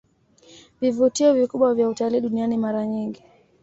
vivutio vikubwa vya utalii duniani Mara nyingi